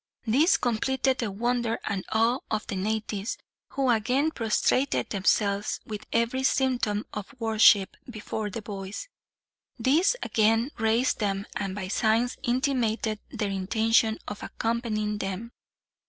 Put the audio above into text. This completed the wonder and awe of the natives, who again prostrated themselves, with every symptom of worship, before the boys. These again raised them, and by signs intimated their intention of accompanying them.